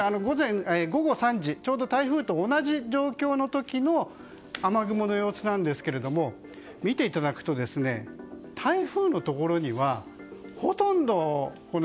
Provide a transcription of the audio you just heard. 午後３時ちょうど台風と同じ状況の時の雨雲の様子なんですが見ていただくと台風のところにはほとんど。